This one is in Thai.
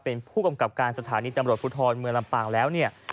เป็นผู้กำกับการสถานีตำรวจภูทรเมืองลำปางแล้วเนี่ย